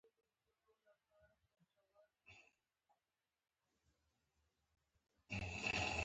هغه په پنځلس کلنۍ کې په واده کې سندرې وویلې